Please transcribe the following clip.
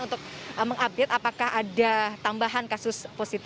untuk mengupdate apakah ada tambahan kasus positif